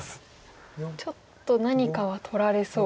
ちょっと何かは取られそうな。